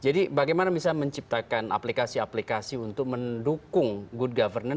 jadi bagaimana bisa menciptakan aplikasi aplikasi untuk mendukung good government